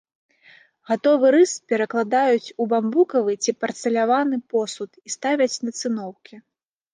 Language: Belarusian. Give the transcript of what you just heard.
Гатовы рыс перакладаюць у бамбукавы ці парцалянавы посуд і ставяць на цыноўкі.